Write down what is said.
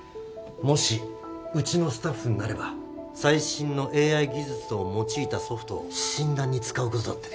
もしうちのスタッフになれば最新のＡＩ技術を用いたソフトを診断に使うことだってできる。